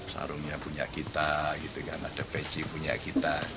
sarungnya punya kita gitu kan ada peci punya kita